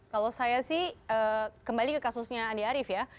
kalau saya sih kembali ke kasusnya andi arief ya